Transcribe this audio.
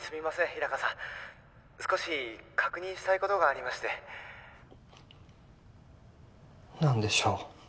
日高さん少し確認したいことがありまして何でしょう？